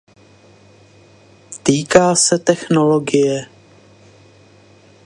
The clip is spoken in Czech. Týká se technologie.